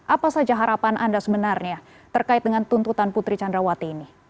apa saja harapan anda sebenarnya terkait dengan tuntutan putri candrawati ini